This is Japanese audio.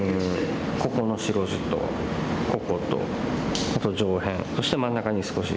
ここの白地とこことあと上辺そして真ん中に少し。